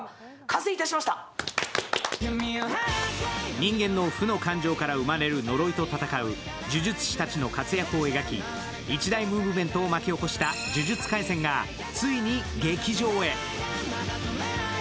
人間の負の感情から生まれれるのろいと戦う呪術師たちの活躍を描き、一大ムーブメントを巻き起こした「呪術廻戦」がついに劇場へ。